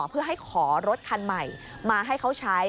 เพื่อให้ขอรถคันใหม่มาให้เขาใช้